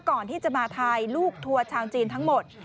ก่อนที่จะมาทายลูกทัวร์ชาวจีนทั้งหมด